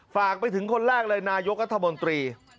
ฝากไปถึงคนแรกเลยนายกรัฐมนตรี